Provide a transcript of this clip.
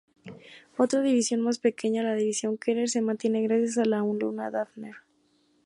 Otra división más pequeña, la división Keeler, se mantiene gracias a la luna Dafne.